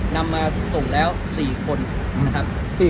นำมาส่งแล้ว๔คนิ้ลงได้